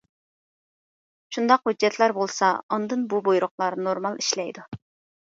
شۇنداق ھۆججەتلەر بولسا ئاندىن بۇ بۇيرۇقلار نورمال ئىشلەيدۇ.